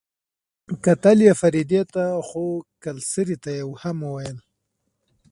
کتل يې فريدې ته خو کلسري ته يې هم وويل.